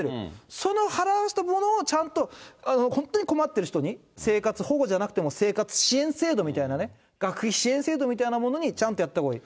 その払わしたものをちゃんと本当に困ってる人に、生活保護じゃなくても、生活支援制度みたいなね、学費支援制度みたいなものにちゃんとやったほうがいい。